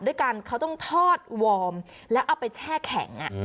ด้วยการเขาต้องทอดวอร์มแล้วเอาไปแช่แข็ง